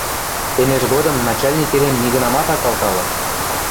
Тенеш годым начальник эдем нигынамат ак алталы...